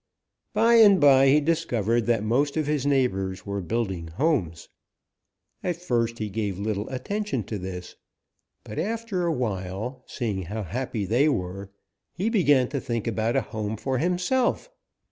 "By and by he discovered that most of his neighbors were building homes. At first he gave little attention to this, but after a while, seeing how happy they were, he began to think about a home for himself.